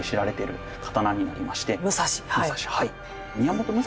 武蔵はい。